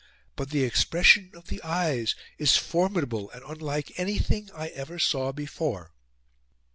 But the expression of the EYES is FORMIDABLE and unlike anything I ever saw before."